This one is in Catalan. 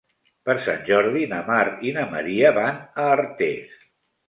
Per Sant Jordi na Mar i na Maria van a Artés.